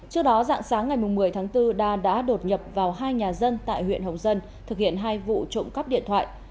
trước đó dạng sáng ngày một mươi tháng bốn đa đã đột nhập vào hai nhà dân tại huyện hồng dân thực hiện hai vụ trộm cắp điện thoại